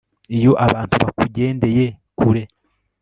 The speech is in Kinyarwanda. iyo abantu bakugendeye kure